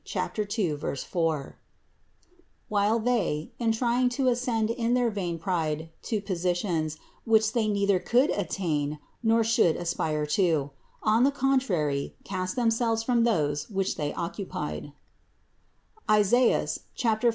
2, 4) while they, in trying to ascend in their vain pride to positions, which they neither could attain nor should aspire to, on the con trary cast themselves from those which they occupied (Isaias 14, 13).